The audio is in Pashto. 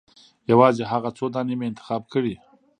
یوازې هغه څو دانې مې انتخاب کړې.